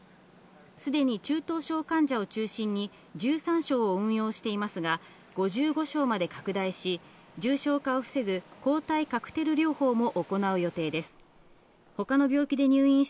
すでに中等症患者を中心に１３床を運用していますが、５５床まで拡大し、重症化を防ぐ抗体カクテル療法も行う予定です。